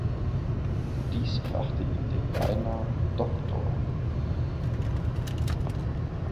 Dies brachte ihm den Beinamen „Dr.